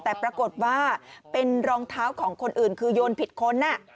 แต่ปรากฏว่าเป็นรองเท้าของคนอื่นคือโยนผิดคน